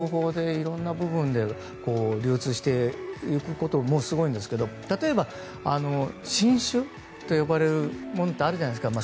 実際に、この方法でいろんな部分で流通していくのもすごいんですけど例えば、新種と呼ばれるものってあるじゃないですか。